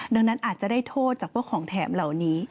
ดังนั้นอาจจะได้โทษจากพวกของแถมเหล่านี้